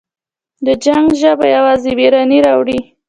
د جنګ ژبه یوازې ویرانی راوړي.